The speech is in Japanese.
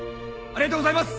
ありがとうございます！